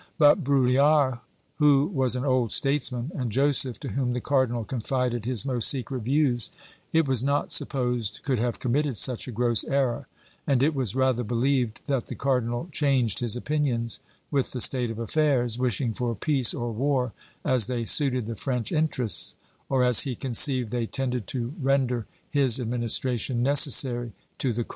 But Brulart, who was an old statesman, and Joseph, to whom the cardinal confided his most secret views, it was not supposed could have committed such a gross error; and it was rather believed that the cardinal changed his opinions with the state of affairs, wishing for peace or war as they suited the French interests, or as he conceived they tended to render his administration necessary to the crown.